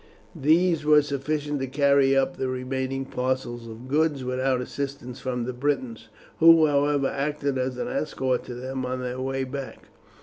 These were sufficient to carry up the remaining parcels of goods without assistance from the Britons, who, however, acted as an escort to them on their way back.